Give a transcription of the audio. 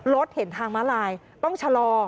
รถเห็นทางมาลายต้องชะลอ